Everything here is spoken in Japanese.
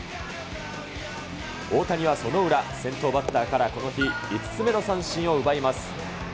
大谷はその裏、先頭バッターからこの日、５つ目の三振を奪います。